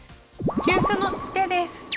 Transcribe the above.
急所のツケです。